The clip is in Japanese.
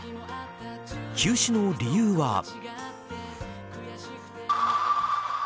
休止の理由は。